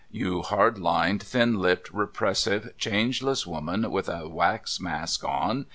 You hard lined, thin lipped, repressive, changeless woman with a wax mask on.